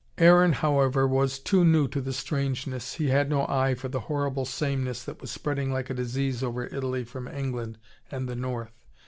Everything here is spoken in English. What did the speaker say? Aaron, however, was too new to the strangeness, he had no eye for the horrible sameness that was spreading like a disease over Italy from England and the north.